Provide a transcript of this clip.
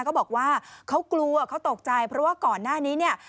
เขาบอกว่าเขากลัวเขาตกใจเพราะว่าก่อนหน้านี้เนี่ย